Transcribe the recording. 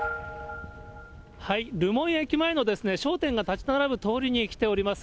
留萌駅前の商店が建ち並ぶ通りに来ております。